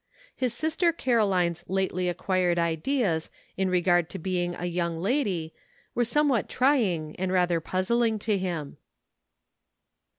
His sister Caroline's lately acquired ideas in regard to being a young lady were somewhat trying and rather puzzling to him.